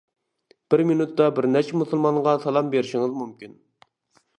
بىر مىنۇتتا بىر نەچچە مۇسۇلمانغا سالام بېرىشىڭىز مۇمكىن.